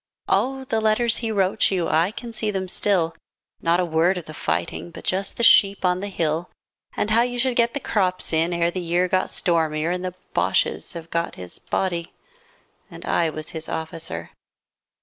Oh, the letters he wrote you, And I can see them still. Not a word of the fighting But just the sheep on the hill And how you should get the crops in Ere the year got stormier, 40 And the Bosches have got his body. And I was his officer.